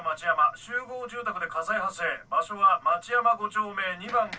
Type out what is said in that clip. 集合住宅で火災発生場所は町山５丁目２番５号。